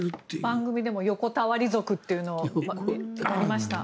番組でも横たわり族というのをやりました。